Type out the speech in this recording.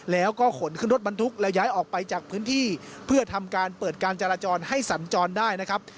แล้วก็ขนขึ้นรถบรรทุกแล้วย้ายออกไปจากพื้นที่เพื่อทำการเปิดการจราจรให้สัญจรได้นะครับ